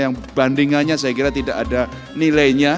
yang bandingannya saya kira tidak ada nilainya